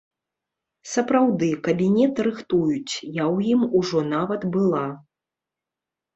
Сапраўды, кабінет рыхтуюць, я ў ім ужо нават была.